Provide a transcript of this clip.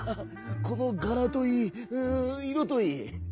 このがらといいいろといい。